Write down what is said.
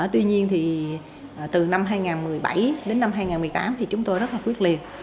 tuy nhiên thì từ năm hai nghìn một mươi bảy đến năm hai nghìn một mươi tám thì chúng tôi rất là quyết liệt